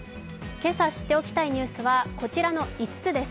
今朝知って起きたいニュースはこちらの５つです。